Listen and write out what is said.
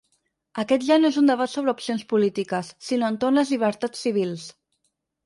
Aquest ja no és un debat sobre opcions polítiques, sinó entorn les llibertats civils.